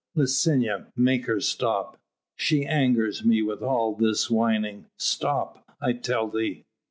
"Licinia, make her stop she angers me with all this whining stop, I tell thee.